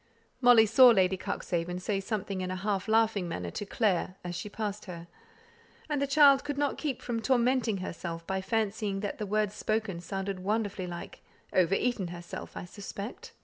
Molly saw Lady Cuxhaven say something in a half laughing manner to "Clare," as she passed her; and the child could not keep from tormenting herself by fancying that the words spoken sounded wonderfully like "Over eaten herself, I suspect."